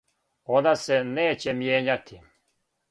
Они се неће мијењати.